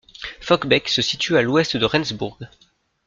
Fockbek se situe à l'ouest de Rendsburg.